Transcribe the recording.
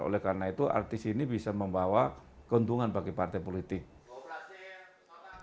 oleh karena itu artis ini bisa membawa keuntungan bagi partai politik